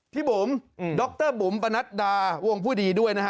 พี่บุหมดรบุ๋มปณัสดาร์วงผู้ดีด้วยนะคะ